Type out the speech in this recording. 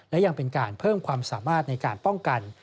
และยังเป็นการเพิ่มความสามารถในการป้องกัน